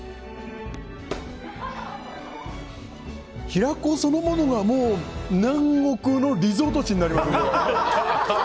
平子そのものが南国のリゾート地になりました。